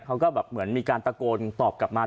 เขาก็แบบเหมือนมีการตะโกนตอบกลับมา